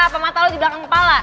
apa mata lo di belakang kepala